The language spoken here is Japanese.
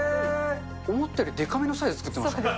思ったよりでかめのサイズ作ってますね。